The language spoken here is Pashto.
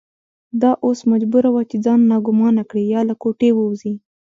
دا اوس مجبوره وه چې ځان ناګومانه کړي یا له کوټې ووځي.